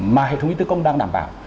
mà hệ thống y tế công đang đảm bảo